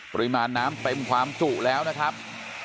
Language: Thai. ปริมาณน้ำเต็มความจุแล้วนะครับ